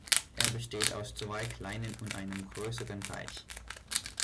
Er besteht aus zwei kleinen und einem größeren Teich.